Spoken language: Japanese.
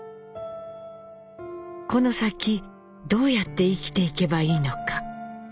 この先どうやって生きていけばいいのか。